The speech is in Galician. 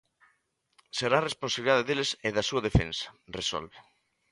"Será responsabilidade deles e da súa defensa", resolve.